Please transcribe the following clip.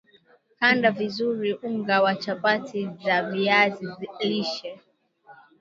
kanda vizuri unga wa chapati za viazi lishe